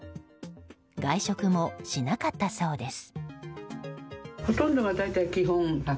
外食もしなかったそうです。